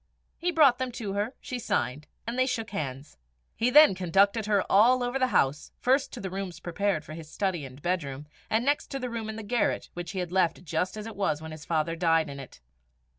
He brought them to her, she signed, and they shook hands. He then conducted her all over the house first to the rooms prepared for his study and bedroom, and next to the room in the garret, which he had left just as it was when his father died in it.